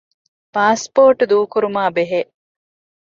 ޕާސްޕޯޓް ދޫކުރުމާބެހޭ